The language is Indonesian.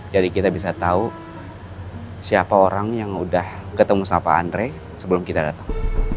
jadi kita bisa tahu siapa orang yang udah ketemu sama pak andre sebelum kita datang